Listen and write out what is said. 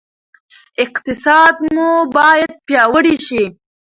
اقتصاد مو باید پیاوړی شي.